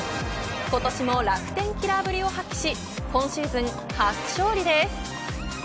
今年も楽天キラーぶりを発揮し今シーズン初勝利です。